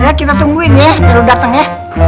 ya kita tungguin ya baru datang ya